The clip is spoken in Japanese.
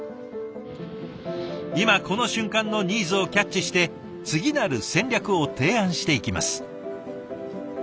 今この瞬間のニーズをキャッチして次なる戦略を提案していきます。